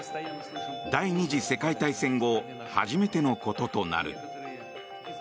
第２次世界大戦後初めてのこととなる。